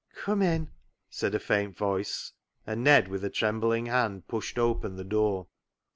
" Come in," said a faint voice, and Ned with a trembling hand pushed open the door.